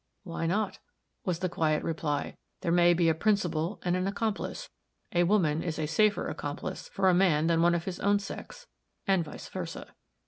"Why not?" was the quiet reply. "There may be a principal and an accomplice. A woman is a safer accomplice for a man than one of his own sex and vice versa."